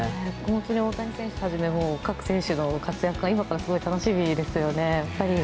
大谷選手はじめ、各選手の活躍が今からすごい楽しみですね。